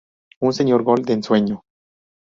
Un señor gol de ensueño.